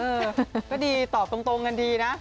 เออก็ดีตอบตรงกันดีนะ